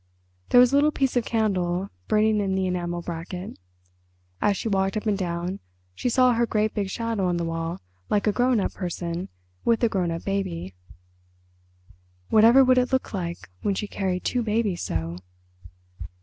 There was a little piece of candle burning in the enamel bracket. As she walked up and down she saw her great big shadow on the wall like a grown up person with a grown up baby. Whatever would it look like when she carried two babies so!